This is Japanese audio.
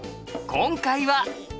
今回は？